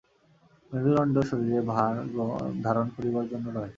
মেরুদণ্ড শরীরের ভার ধারণ করিবার জন্য নয়।